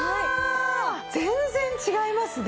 全然違いますね。